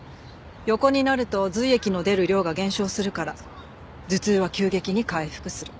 横になると髄液の出る量が減少するから頭痛は急激に回復する。